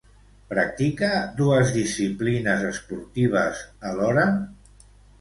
Practica dues disciplines esportives alhora?